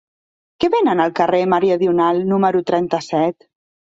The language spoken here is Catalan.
Què venen al carrer Meridional número trenta-set?